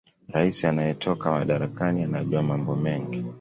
raisi anayetoka madarakani anajua mambo mengi